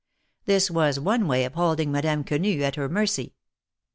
267 This was one way of holding Madame Quenu at her mercy.